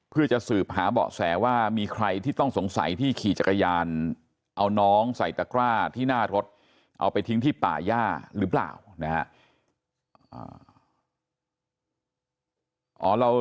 เพื่อจะสืบหาเบาะแสว่ามีใครที่ต้องสงสัยที่ขี่จักรยานเอาน้องใส่ตะกร้าที่หน้ารถเอาไปทิ้งที่ป่าย่าหรือเปล่านะฮะ